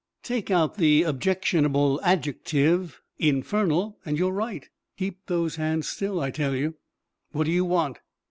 "Take out the objectionable adjective 'infernal' and you're right. Keep those hands still, I tell you." "What do you want?"